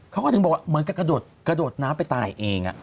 เขาก็ถึงบอกว่าเหมือนกับกระโดดน้ำไปตายเอง